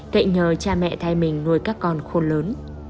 cậy nhờ cha mẹ thai mình nuôi các con khôn lớn